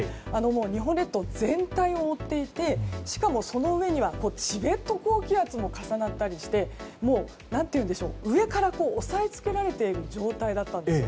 日本列島全体を覆っていてしかもその上にはチベット高気圧も重なったりして上から押さえつけられている状態だったんです。